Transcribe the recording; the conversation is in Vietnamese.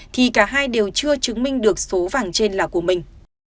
thì cả hai đều chưa chứng minh được số vàng trên là của mình